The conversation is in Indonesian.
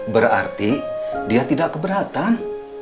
berarti dia tidak keberatan